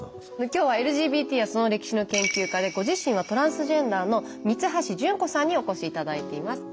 今日はＬＧＢＴやその歴史の研究家でご自身はトランスジェンダーの三橋順子さんにお越し頂いています。